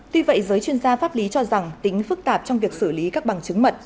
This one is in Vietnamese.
tuy vậy giới chuyên gia pháp lý cho rằng tính phức tạp trong việc xử lý các bằng chứng mật